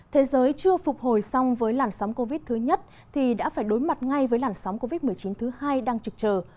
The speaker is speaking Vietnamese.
thế giới chưa phục hồi xong với làn sóng covid một mươi chín thứ nhất thì đã phải đối mặt ngay với làn sóng covid một mươi chín thứ hai đang trực trở